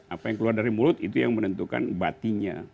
apa yang keluar dari mulut itu yang menentukan batinya